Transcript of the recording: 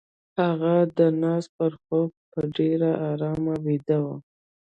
هغه د ناز پر خوب په ډېر آرام ويده وه.